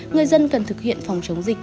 người dân cần thực hiện phòng chống dịch